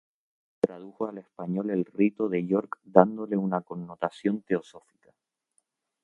Tradujo al español el rito de York dándole una connotación teosófica.